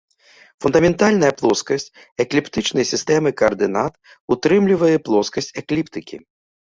Фундаментальная плоскасць экліптычнай сістэмы каардынат ўтрымлівае плоскасць экліптыкі.